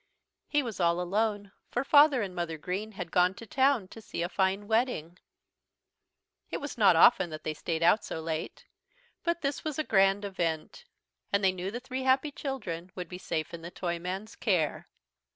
He was all alone, for Father and Mother Green had gone to town to see a fine wedding. It was not often that they stayed out so late, but this was a grand event. And they knew the three happy children would be safe in the Toyman's care.